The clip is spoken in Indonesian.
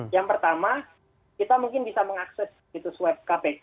yang pertama kita mungkin bisa mengakses web kpk